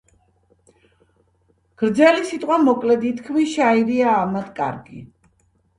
გრძელი სიტყვა მოკლედ ითქმის, შაირია ამად კარგი